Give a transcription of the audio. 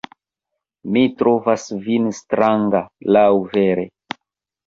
Mi trovas vin stranga, laŭvere!